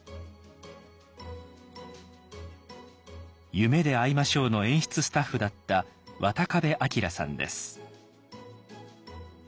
「夢であいましょう」の演出スタッフだった渡壁さんです。